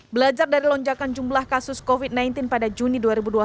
belajar dari lonjakan jumlah kasus covid sembilan belas pada juni dua ribu dua puluh satu